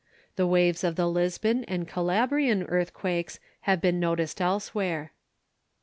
The waves of the Lisbon and Calabrian earthquakes have been noticed elsewhere.